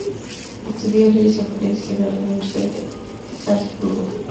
Estudió leyes en Florencia, y se graduó en la Universidad de Salzburgo.